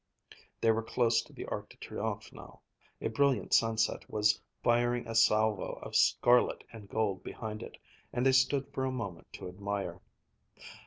They were close to the Arc de Triomphe now. A brilliant sunset was firing a salvo of scarlet and gold behind it, and they stood for a moment to admire.